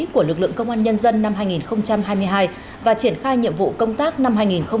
của lực lượng công an nhân dân năm hai nghìn hai mươi hai và triển khai nhiệm vụ công tác năm hai nghìn hai mươi bốn